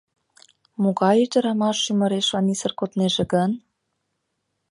Могай ӱдырамаш ӱмырешлан исыр коднеже гын?